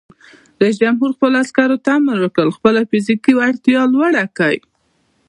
رئیس جمهور خپلو عسکرو ته امر وکړ؛ خپله فزیکي وړتیا لوړه کړئ!